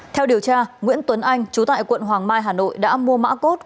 theo điều tra nguyễn tuấn anh chú tại quận hoàng mai hà nội đã mua mã cốt